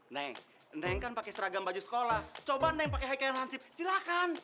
neng neng kan pakai seragam baju sekolah coba neng pakai haike yang lansip silakan